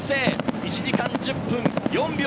１時間１０分４秒。